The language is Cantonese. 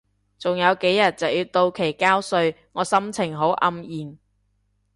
仲有幾日就到期交稅，我心情好黯然